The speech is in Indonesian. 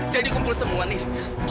jadi kumpul semua nih